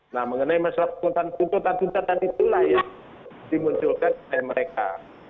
nah mengenai masalah peruntutan peruntutan itulah ya dimunculkan oleh mereka